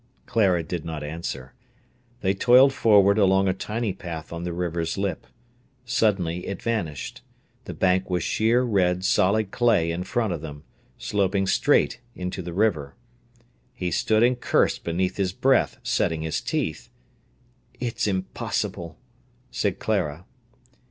Clara did not answer. They toiled forward along a tiny path on the river's lip. Suddenly it vanished. The bank was sheer red solid clay in front of them, sloping straight into the river. He stood and cursed beneath his breath, setting his teeth. "It's impossible!" said Clara.